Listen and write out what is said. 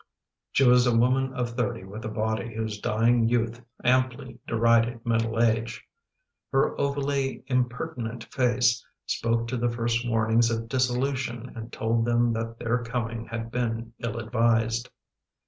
She was a woman of thirty with a body whose dying youth amply derided middle age. Her ovally impertinent face spoke to the first warnings of dissolution and told them that their coming had been ill advised.